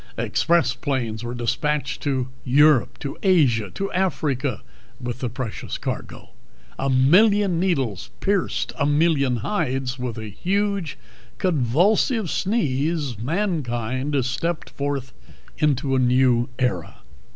Express planes were dispatched to Europe, to Asia, to Africa with the precious cargo, a million needles pierced a million hides, and with a huge, convulsive sneeze mankind stepped forth into a new era.